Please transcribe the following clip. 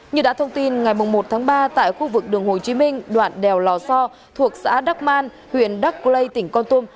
như đã thông tin ngày một tháng ba tại khu vực đường hồ chí minh đoạn đèo lò so thuộc xã đắc man huyện đắc lây tỉnh con tum